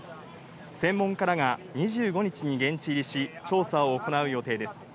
専門家らが２５日に現地入りし、調査を行う予定です。